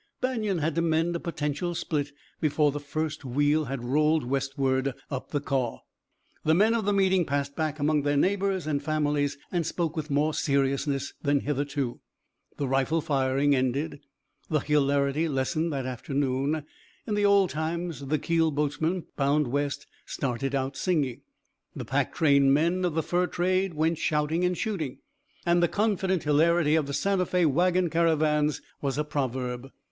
Banion had to mend a potential split before the first wheel had rolled westward up the Kaw. The men of the meeting passed back among their neighbors and families, and spoke with more seriousness than hitherto. The rifle firing ended, the hilarity lessened that afternoon. In the old times the keel boatmen bound west started out singing. The pack train men of the fur trade went shouting and shooting, and the confident hilarity of the Santa Fé wagon caravans was a proverb.